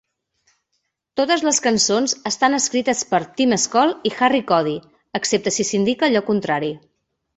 Totes les cançons estan escrites per Tim Skold i Harry Cody, excepte si s"indica allò contrari.